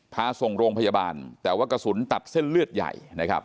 พาส่งโรงพยาบาลแต่ว่ากระสุนตัดเส้นเลือดใหญ่นะครับ